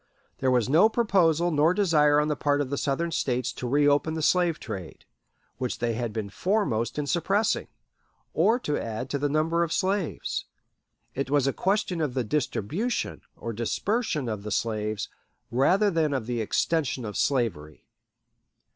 There was no proposal nor desire on the part of the Southern States to reopen the slave trade, which they had been foremost in suppressing, or to add to the number of slaves. It was a question of the distribution, or dispersion, of the slaves, rather than of the "extension of slavery."